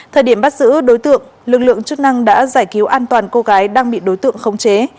thời điểm bắt giữ đối tượng lực lượng chức năng đã giải cứu an toàn cô gái đang bị đối tượng khống chế